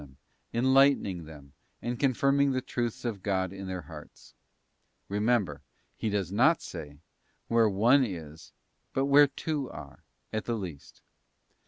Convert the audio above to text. them, enlightening them, and confirming the truths of God in their hearts. Remember, He does not say: Where one is, but where two are, at the least.